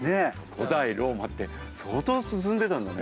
古代ローマって相当進んでたんだね。